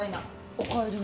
おかえりなさい。